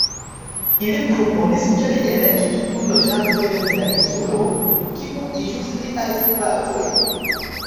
Ili proponis ke li elektu du loĝantojn de la insulo, kiu iĝus liaj sklavoj.